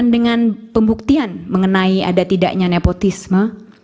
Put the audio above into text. dengan pembuktian mengenai ada tidaknya nepotisme